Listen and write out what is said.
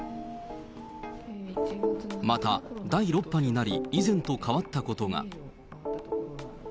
また、第６波になり、以前と変わったことが。